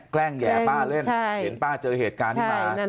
แกล้งแห่ป้าเล่นเห็นป้าเจอเหตุการณ์นี้มา